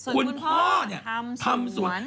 คุณพ่อเนี่ยทำสวน